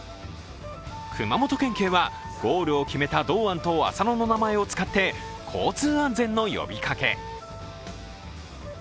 熊本県警は、ゴールを決めた堂安と浅野の名前を使って交通安全の呼びかけ。